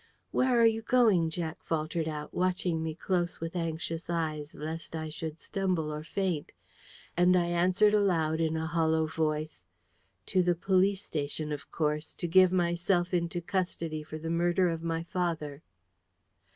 "Where are you going?" Jack faltered out, watching me close with anxious eyes, lest I should stumble or faint. And I answered aloud, in a hollow voice: "To the police station, of course, to give myself into custody for the murder of my father."